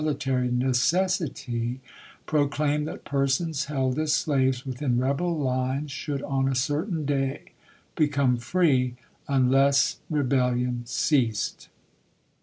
mihtary necessity, proclaimed that persons held as slaves within rebel lines should on a certain day become free unless rebellion ceased.